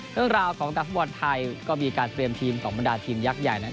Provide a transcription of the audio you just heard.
เรื่องราวของการฟุตบอลไทยก็มีการเตรียมทีมของบรรดาทีมยักษ์ใหญ่นั้น